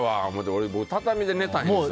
俺、畳で寝たいんすよ。